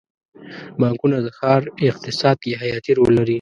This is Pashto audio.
بانکونه د ښار اقتصاد کې حیاتي رول لري.